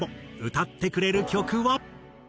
歌ってくれる曲は。